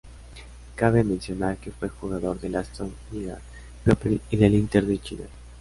Cabe mencionar que fue jugador del "Aston Village People" y del "Inter de Chillán".